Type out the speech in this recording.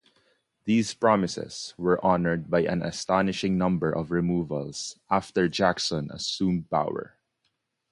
These promises were honored by an astonishing number of removals after Jackson assumed power.